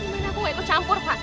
gimana aku gak ikut campur pak